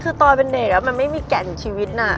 คือตอนเป็นเด็กมันไม่มีแก่นชีวิตน่ะ